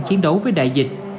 chiến đấu với đại dịch